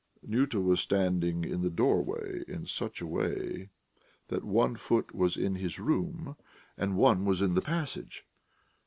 Nyuta was standing in the doorway in such a way that one foot was in his room and one was in the passage.